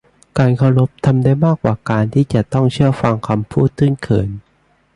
การเคารพทำได้มากกว่าการที่จะต้องเชื่อฟังคำพูดตื้นเขิน